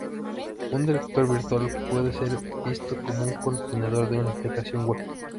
Un directorio virtual puede ser visto como un contenedor de una aplicación web.